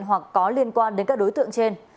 hoặc có liên quan đến các đối tượng trên